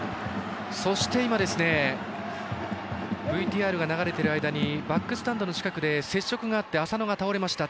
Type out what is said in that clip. そして今、ＶＴＲが流れている間にバックスタンドの近くで接触があって浅野が倒れました。